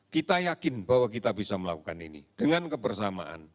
kita yakin bahwa kita bisa melakukan ini dengan kebersamaan